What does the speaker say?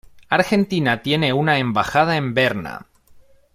Argentina tiene una embajada en Berna.